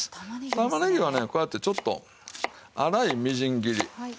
玉ねぎはねこうやってちょっと粗いみじん切り。